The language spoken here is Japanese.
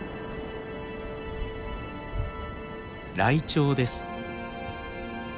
ライチョウです。